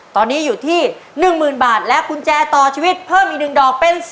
ตอนนี้อยู่ที่๑๐๐๐บาทและกุญแจต่อชีวิตเพิ่มอีก๑ดอกเป็น